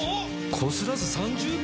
こすらず３０秒⁉うそ。